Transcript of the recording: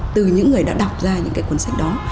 từ những người đã đọc ra những cái cuốn sách đó